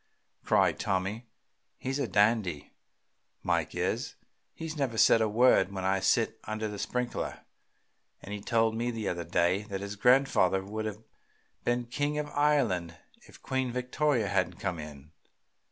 cried Tommy. "He's a dandy, Mike is. He never says a word when I sit under the sprinkler, and he told me the other day that his grandfather would have been king of Ireland if Queen Victoria hadn't come in.